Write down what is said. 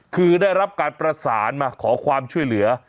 คือได้รับการประสานมาขอความช่วยเหลือ